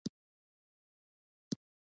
ما له یوه بل سړي نه غوښتنه وکړه.